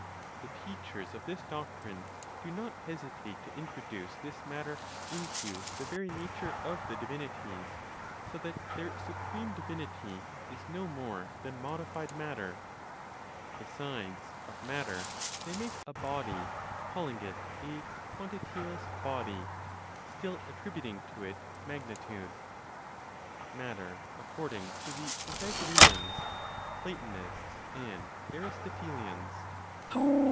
The teachers of this doctrine do not hesitate to introduce this matter into the (very nature of the) divinities, so that their supreme divinity is no more than modified matter. Besides, of matter they make a body, calling it a "quantityless body," still attributing to it magnitude. MATTER ACCORDING TO THE PYTHAGOREANS, PLATONISTS AND ARISTOTELIANS.